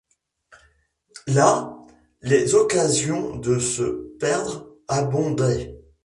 Là, les occasions de se perdre abondaient.